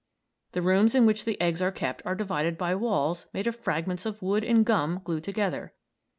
The rooms in which the eggs are kept are divided by walls made of fragments of wood and gum glued together.